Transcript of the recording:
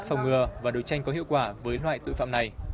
phòng ngừa và đấu tranh có hiệu quả với loại tội phạm này